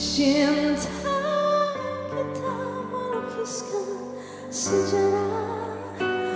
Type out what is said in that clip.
cinta kita melukiskan sejarah